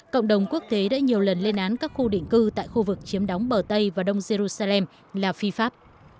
cộng đồng quốc tế đã nhiều lần lên án các khu định cư tại khu vực chiếm đóng bờ tây và đông jerusalem là phi pháp